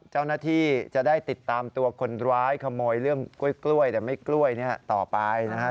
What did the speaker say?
เจ้าหน้าที่จะได้ติดตามตัวคนร้ายขโมยเรื่องกล้วยแต่ไม่กล้วยเนี่ยต่อไปนะครับ